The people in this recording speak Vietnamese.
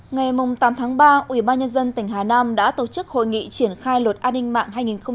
ngày tám tháng ba ubnd tỉnh hà nam đã tổ chức hội nghị triển khai luật an ninh mạng hai nghìn một mươi chín